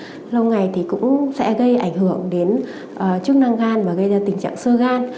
hoặc là suy tim lâu ngày cũng sẽ gây ảnh hưởng đến chức năng gan và gây ra tình trạng sơ gan